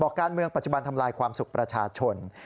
การเมืองปัจจุบันทำลายความสุขประชาชน